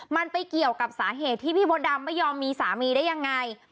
มันไปเกี่ยวกับสาเหตุที่พี่มดดำไม่ยอมมีสามีได้ยังไง